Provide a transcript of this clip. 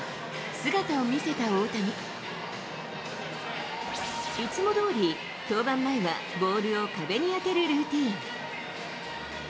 姿を見せた大谷。いつもどおり、登板前はボールを壁に当てるルーティーン。